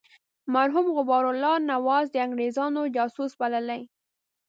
مرحوم غبار الله نواز د انګرېزانو جاسوس بللی.